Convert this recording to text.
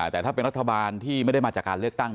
แต่ถ้าเป็นรัฐบาลที่ไม่ได้มาจากการเลือกตั้ง